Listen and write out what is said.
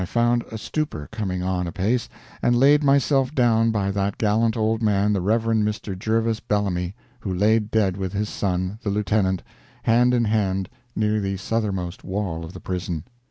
I found a stupor coming on apace, and laid myself down by that gallant old man, the Rev. Mr. Jervas Bellamy, who laid dead with his son, the lieutenant, hand in hand, near the southernmost wall of the prison.